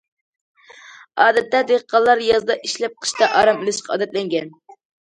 ئادەتتە، دېھقانلار يازدا ئىشلەپ، قىشتا ئارام ئېلىشقا ئادەتلەنگەن.